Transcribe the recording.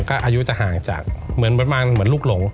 ก็อายุจะห่างจากเหมือนลูกหลง